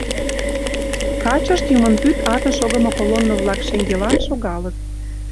Качышт юмын вӱд ате шогымо колонно-влак шеҥгелан шогалыт.